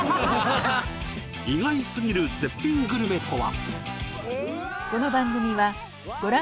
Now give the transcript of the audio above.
意外すぎる絶品グルメとは？